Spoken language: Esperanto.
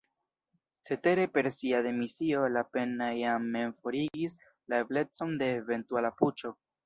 Cetere per sia demisio Lapenna ja mem forigis la eblecon de eventuala puĉo.